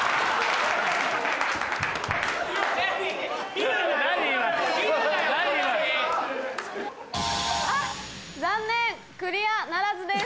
今の・あっ残念クリアならずです。